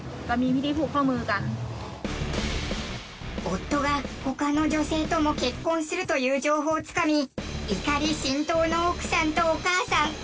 夫が他の女性とも結婚するという情報をつかみ怒り心頭の奥さんとお母さん。